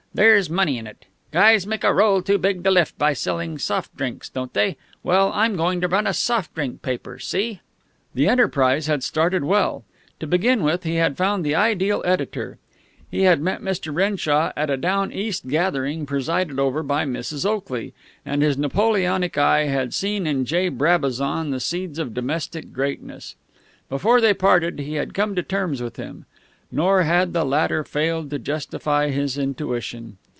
There's money in it. Guys make a roll too big to lift by selling soft drinks, don't they? Well, I'm going to run a soft drink paper. See?" The enterprise had started well. To begin with, he had found the ideal editor. He had met Mr. Renshaw at a down East gathering presided over by Mrs. Oakley, and his Napoleonic eye had seen in J. Brabazon the seeds of domestic greatness. Before they parted, he had come to terms with him. Nor had the latter failed to justify his intuition.